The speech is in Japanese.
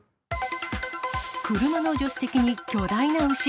車の助手席に巨大な牛。